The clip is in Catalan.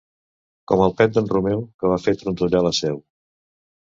Com el pet d'en Romeu, que va fer trontollar la Seu.